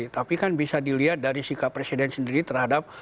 tapi kan bisa dilihat dari sikap presiden sendiri terhadap